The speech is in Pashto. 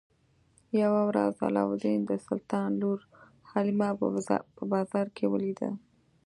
یوه ورځ علاوالدین د سلطان لور حلیمه په بازار کې ولیده.